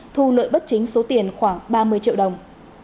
thu lợi bất chính số tiền khoảng ba mươi triệu đồng